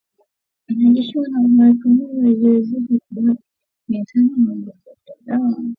Wanajeshi wa Marekani wasiozidi mia tano wameidhinishwa kuingia Somalia kukabiliana na Al Shabaab.